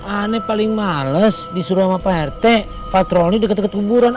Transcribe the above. ini paling males disuruh sama pak rt patrolin deket deket kuburan